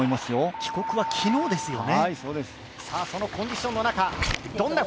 帰国は昨日ですよね。